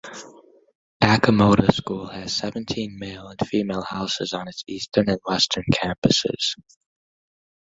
Achimota School has seventeen male and female houses on its Eastern and Western Campuses.